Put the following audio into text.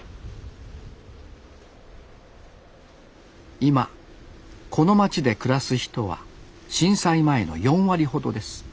今この町で暮らす人は震災前の４割ほどです